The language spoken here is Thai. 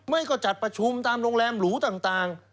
ไม่ก็จัดประชุมตามโรงแรมหรูต่าง